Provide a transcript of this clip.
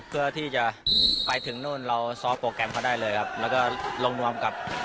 เพื่อที่จะไปถึงนู่นเราซอฟต์โปรแกรมเขาได้เลยครับแล้วก็ลงนวมกับ